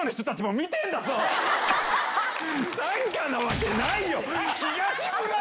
傘下なわけないよ！